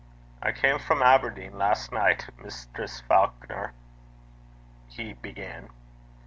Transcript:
'I cam frae Aberdeen last nicht, Mistress Faukner,' he began.